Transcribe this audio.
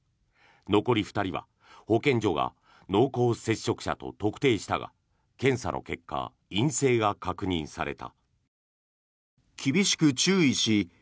残り２人は保健所が濃厚接触者と特定したが検査の結果、陰性が確認された。